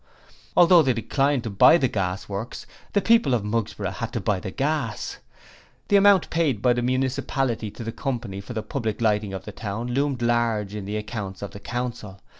Although they declined to buy the Gas works, the people of Mugsborough had to buy the gas. The amount paid by the municipality to the Company for the public lighting of the town loomed large in the accounts of the Council.